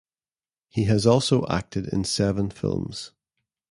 He has also acted in seven films.